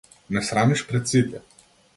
Ме срамиш пред сите.